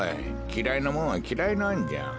きらいなもんはきらいなんじゃ。